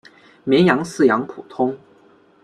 绵羊饲养普通。